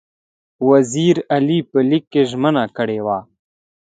وزیر علي په لیک کې ژمنه کړې وه.